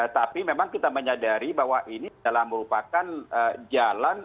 tapi memang kita menyadari bahwa ini adalah merupakan jalan